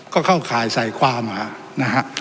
ก็เข้าข่ายใส่ความนะฮะ